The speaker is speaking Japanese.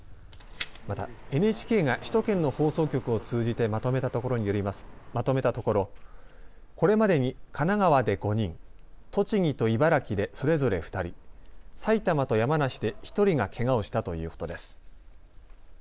またＮＨＫが首都圏の放送局を通じてまとめたところ、これまでに神奈川で５人、栃木と茨城でそれぞれ２人、埼玉と山梨で１人がけがをしたということです。